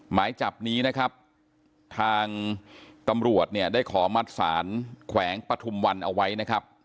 หมายจับนี้นะครับทางตำรวจเนี่ยได้ขอมัดสารแขวงปฐุมวันเอาไว้นะครับ